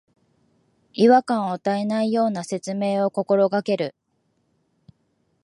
違和感を与えないような説明を心がける